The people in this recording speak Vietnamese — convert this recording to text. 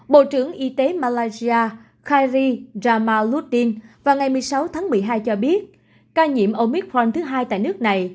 bộ trưởng y tế malaysia khairi jamaluddin vào ngày một mươi sáu tháng một mươi hai cho biết ca nhiễm omicron thứ hai tại nước này